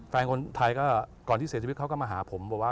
เมื่อวันเกิดเขาก็มาหาผม